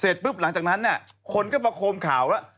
เสร็จปุ๊บหลังจากนั้นเนี่ยคนก็ประโคมข่าวแล้ว